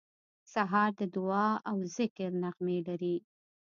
سهار د دعا او ذکر نغمې لري.